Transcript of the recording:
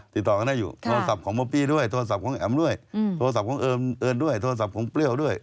โทรศัพท์ของป๊อบปี้ด้วยโทรศัพท์ของแอมป์ด้วยโทรศัพท์ของเอิ้นด้วยโทรศัพท์ของเปรี้ยวด้วย